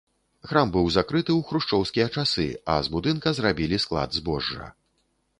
Храм быў закрыты ў хрушчоўскія часы, а з будынка зрабілі склад збожжа.